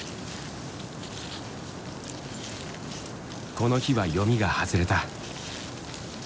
この日は読みが外れた。